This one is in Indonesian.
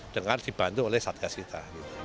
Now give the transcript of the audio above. dengan dibantu oleh satgas kita